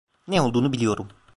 Ne olduğunu biliyorum.